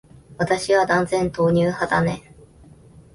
私は断然、豆乳派だね。